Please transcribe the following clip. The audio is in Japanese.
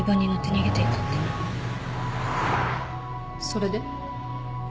それで？